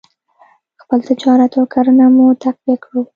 خپل تجارت او کرنه مو تقویه کړو.